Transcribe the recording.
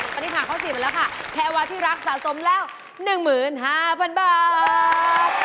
ตรงนี้ข้อสี่เป็นแล้วค่ะแควาร์ที่รักสะสมแล้ว๑๕๐๐๐บาท